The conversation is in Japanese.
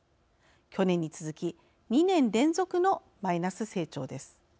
去年に続き２年連続のマイナス成長です。